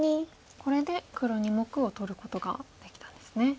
これで黒２目を取ることができたんですね。